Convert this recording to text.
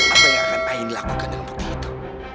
apa yang akan aini lakukan dengan bukti itu